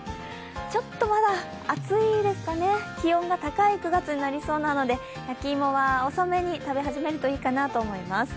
ちょっと、まだ暑いですかね、気温が高い９月になりそうなので焼き芋は遅めに食べ始めるといいかなと思います。